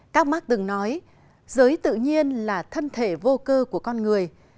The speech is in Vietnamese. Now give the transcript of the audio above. các mark từng nói giới tự nhiên là thân thể vô cơ của con người